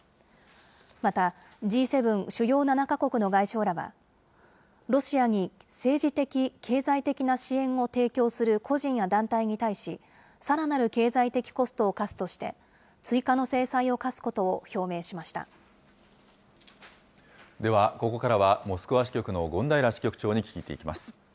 また、Ｇ７・主要７か国の外相らは、ロシアに政治的・経済的な支援を提供する個人や団体に対し、さらなる経済的コストを課すとして、追加の制裁を科すことを表明では、ここからはモスクワ支局の権平支局長に聞いていきます。